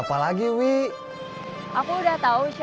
hayat banget tak ada apa lagi